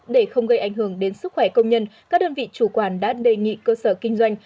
để không gây ảnh hưởng đến sức khỏe công nhân các đơn vị chủ quản đã đề nghị cơ sở kinh doanh